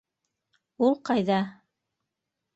Ул ҡайҙа?